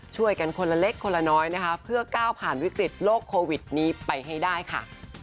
ช่วยกันคนละเล็กคนละน้อยนะคะเพื่อก้าวผ่านวิกฤตโลกโควิดนี้ไปให้ได้ค่ะ